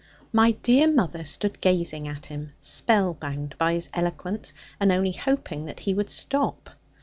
My dear mother stood gazing at him, spell bound by his eloquence, and only hoping that he would stop.